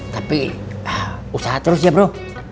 tapi usaha terus ya bro